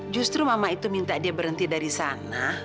justru mama itu minta dia berhenti dari sana